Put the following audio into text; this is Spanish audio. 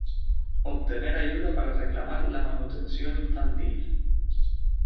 obtener ayuda para reclamar la manutención infantil